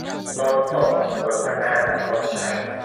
ชมสด สนทนากับธงชัย